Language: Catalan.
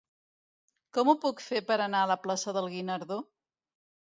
Com ho puc fer per anar a la plaça del Guinardó?